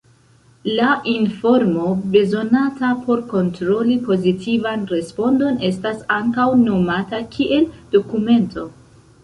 La informo bezonata por kontroli pozitivan respondon estas ankaŭ nomata kiel "dokumento".